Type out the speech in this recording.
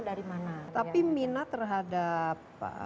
dari mana tapi minat terhadap